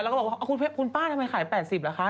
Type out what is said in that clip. เราก็บอกว่าอ้าวคุณเป๊ะคุณป้าทำไมขาย๘๐ราคา